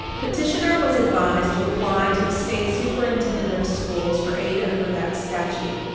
Petitioner was advised to apply to the State Superintendent of Schools for aid under that statute.